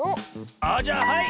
あじゃあはい！